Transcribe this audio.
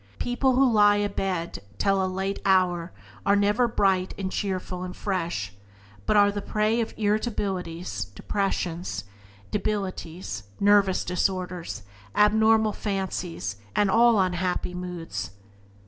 People who lie a bed till a late hour are never bright and cheerful and fresh, but are the prey of irritabilities, depressions, debilities, nervous disorders, abnormal fancies, and all unhappy moods.